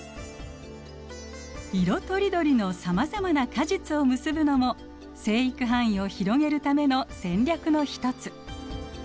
色とりどりのさまざまな果実を結ぶのも生育範囲を広げるための戦略の一つ。